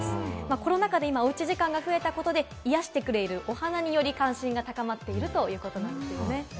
コロナ禍でおうち時間が増えたことで、癒やしてくれるお花に関心が高まっているということなんですね。